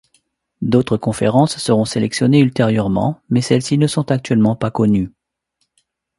D'autres conférences seront sélectionnées ultérieurement mais celles-ci ne sont actuellement pas connues.